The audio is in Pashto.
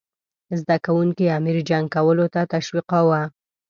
زده کوونکي امیر جنګ کولو ته تشویقاووه.